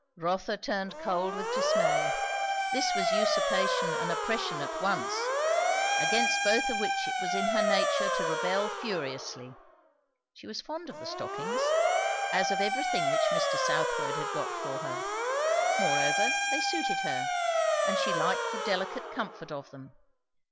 Rotha turned cold with dismay. This was usurpation and oppression at once; against both which it was in her nature to rebel furiously. She was fond of the stockings, as of everything which Mr. Southwode had got for her; moreover they suited her, and she liked the delicate comfort of them.